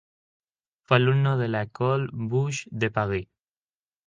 Fue alumno en la École Boulle de París.